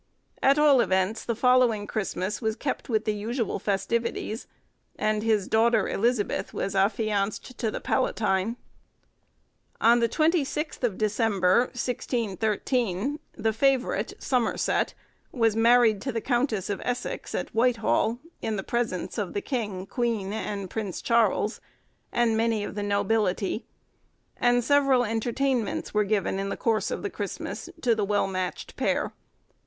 At all events the following Christmas was kept with the usual festivities, and his daughter Elizabeth was affianced to the Palatine. On the 26th of December, 1613, the favourite, Somerset, was married to the Countess of Essex, at Whitehall, in the presence of the King, Queen, and Prince Charles, and many of the nobility, and several entertainments were given in the course of the Christmas, to the well matched pair.